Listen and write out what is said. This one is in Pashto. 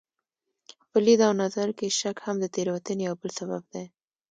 په لید او نظر کې شک هم د تېروتنې یو بل سبب دی.